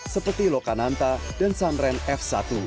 seperti loka nanta dan sanren f satu